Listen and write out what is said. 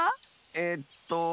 えっと。